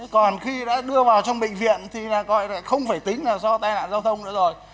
còn khi đã đưa vào trong bệnh viện thì là gọi là không phải tính là do tai nạn giao thông nữa rồi